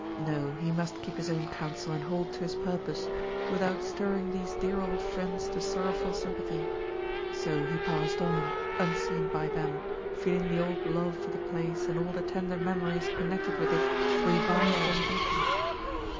No, he must keep his own counsel and hold to his purpose, without stirring these dear old friends to sorrowful sympathy. So he passed on, unseen by them, feeling the old love for the place and all the tender memories connected with it revived and deepened.